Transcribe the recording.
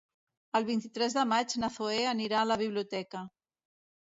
El vint-i-tres de maig na Zoè anirà a la biblioteca.